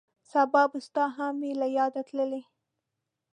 سبا به ستا هم وي له یاده تللی